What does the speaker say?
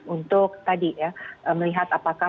untuk tadi ya melihat apakah